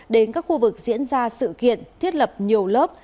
đến các khu vực diễn ra sự kiện thiết lập nhiều lớp